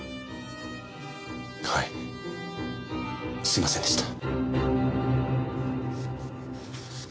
はいすいませんでした。